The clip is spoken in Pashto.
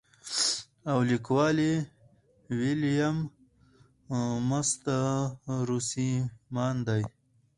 او ليکوال ئې William Mastrosimoneدے.